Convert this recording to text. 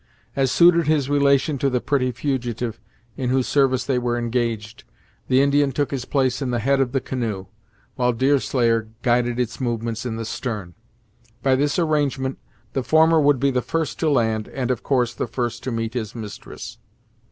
As suited his relation to the pretty fugitive, in whose service they were engaged, the Indian took his place in the head of the canoe; while Deerslayer guided its movements in the stern. By this arrangement, the former would be the first to land, and of course, the first to meet his mistress.